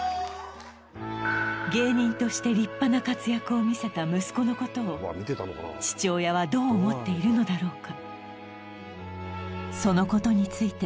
芸人として立派な活躍を見せた息子のことを父親はどう思っているのだろうか？